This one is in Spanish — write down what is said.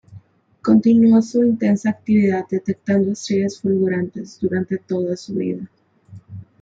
Continuó su intensa actividad detectando estrellas fulgurantes durante toda su vida.